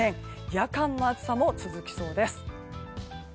夜間の暑さも続きそうです。